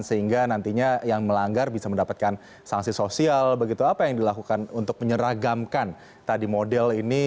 sehingga nantinya yang melanggar bisa mendapatkan sanksi sosial begitu apa yang dilakukan untuk menyeragamkan tadi model ini